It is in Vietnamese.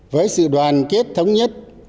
với sự đoàn kết thống nhất